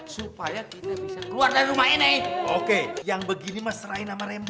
supaya kita bisa keluar dari rumah ini